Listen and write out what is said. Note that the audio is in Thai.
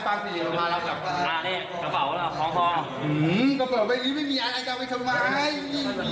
พิธีสวยค้นตัวผมได้ไงเกินไปแล้วลุงผมคนเดียวหัวเดียวเตรียมรีบ